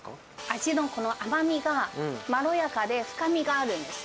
味のこの甘みが、まろやかで深みがあるんです。